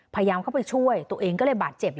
พยายามเข้าไปช่วยตัวเองก็เลยบาดเจ็บ